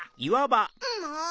もう！